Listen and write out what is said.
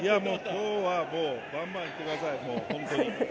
今日はバンバンいってください本当に。